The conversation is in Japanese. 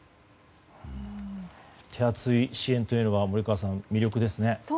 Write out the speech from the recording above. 手厚い支援というのは森川さん魅力ですね。